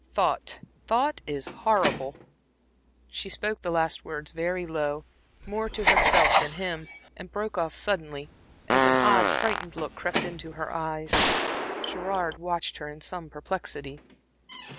Thought thought is horrible." She spoke the last words very low, more to herself than him, and broke off suddenly, as an odd, frightened look crept into her eyes. Gerard watched her in some perplexity.